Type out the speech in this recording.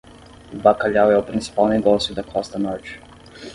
O bacalhau é o principal negócio da costa norte.